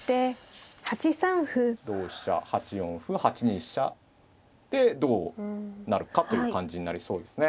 同飛車８四歩８二飛車でどうなるかという感じになりそうですね。